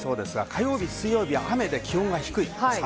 火曜日水曜日は雨で気温が低い。